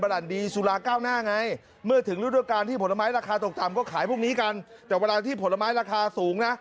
ราคาตกทำก็ขายพวกนี้กันแต่เวลาที่ผลไม้ราคาสูงนะ